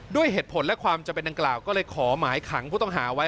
ด้วยเหตุผลและความจำเป็นดังกล่าวก็เลยขอหมายขังผู้ต้องหาไว้